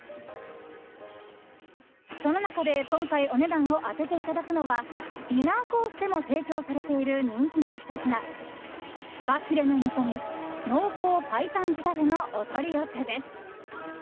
その中で、今回お値段を当てていただくのはディナーコースでも提供されている人気のひと品フカヒレの煮込み濃厚白湯仕立てのお取り寄せです。